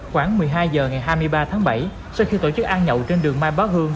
khoảng một mươi hai h ngày hai mươi ba tháng bảy sau khi tổ chức ăn nhậu trên đường mai bá hương